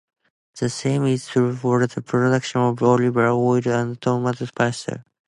The same is true for the production of olive oil and tomato paste.